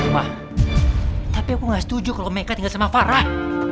wah tapi aku gak setuju kalau mereka tinggal sama farah